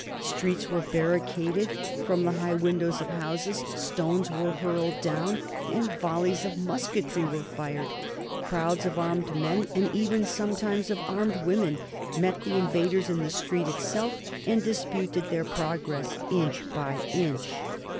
Streets were barricaded; from the high windows of houses stones were hurled down and volleys of musketry were fired; crowds of armed men, and even sometimes of armed women, met the invaders in the street itself and disputed their progress inch by inch.